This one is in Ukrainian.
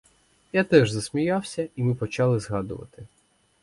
Я теж засміявся, і ми почали згадувати.